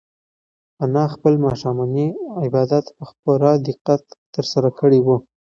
انا خپل ماښامنی عبادت په پوره دقت ترسره کړی و.